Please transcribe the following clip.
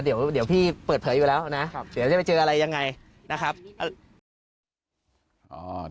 เดี๋ยวพี่เปิดเผยอยู่แล้วนะ